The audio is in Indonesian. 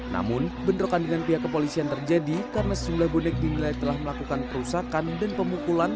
namun bentrokan dengan pihak kepolisian terjadi karena sejumlah bonek dinilai telah melakukan perusakan dan pemukulan